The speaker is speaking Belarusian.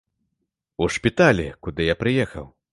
У шпіталі, куды я прыехаў.